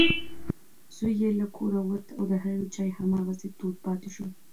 زوی یې له کوره ووت او د هغې چای هماغسې تود پاتې شو.